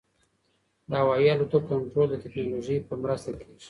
د هوايي الوتکو کنټرول د ټکنالوژۍ په مرسته کېږي.